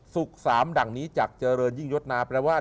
สุกสามดั่งนี้จากเจริญยิ่งยศนา